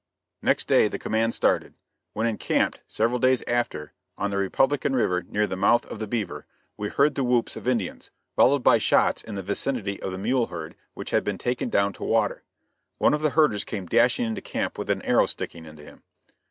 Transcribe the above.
Next day the command started; when encamped, several days after, on the Republican river near the mouth of the Beaver, we heard the whoops of Indians, followed by shots in the vicinity of the mule herd, which had been taken down to water. One of the herders came dashing into camp with an arrow sticking into him.